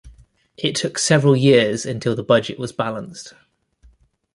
It took several years until the budget was balanced.